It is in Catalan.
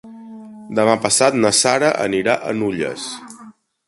Demà passat na Sara anirà a Nulles.